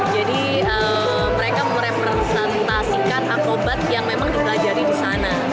jadi mereka merepresentasikan akrobat yang memang dikelajari di sana